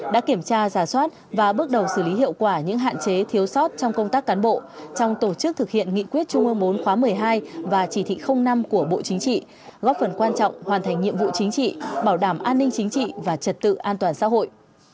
đã kiểm tra giả soát và bước đầu xử lý hiệu quả những hạn chế thiếu sót trong công tác cán bộ trong tổ chức thực hiện nghị quyết trung ương bốn khóa một mươi hai và chỉ thị năm của bộ chính trị góp phần quan trọng hoàn thành nhiệm vụ chính trị bảo đảm an ninh chính trị và trật tự an toàn xã hội